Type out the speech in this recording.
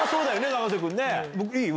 永瀬君ね。